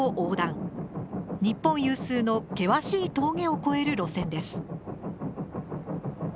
日本有数の険しい峠を越える路線です。